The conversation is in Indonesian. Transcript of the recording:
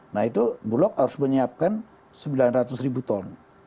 nah itu bulog harus menyiapkan sembilan ratus ribu ton